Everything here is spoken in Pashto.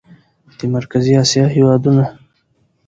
د مرکزي اسیا هېوادونه